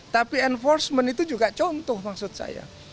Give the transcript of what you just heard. tapi enforcement itu juga contoh maksud saya